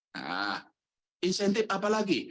nah insentif apa lagi